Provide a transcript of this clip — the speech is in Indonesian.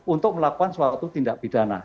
untuk melakukan suatu tindak pidana